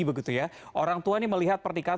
begitu ya orang tua ini melihat pernikahan